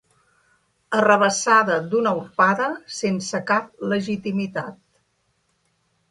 Arrabassada d'una urpada, sense cap legitimitat.